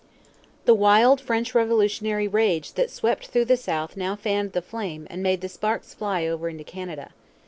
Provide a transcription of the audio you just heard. The wild French Revolutionary rage that swept through the South now fanned the flame and made the sparks fly over into Canada.